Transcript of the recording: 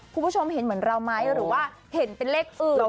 คุณผู้ชมเห็นเหมือนเราไหมหรือว่าเห็นเป็นเลขอื่น